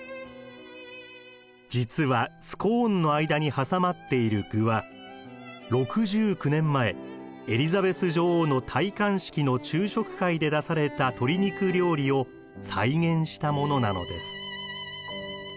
実はスコーンの間に挟まっている具は６９年前エリザベス女王の戴冠式の昼食会で出された鶏肉料理を再現したものなのです。